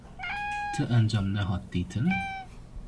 Ti encam nehat dîtin?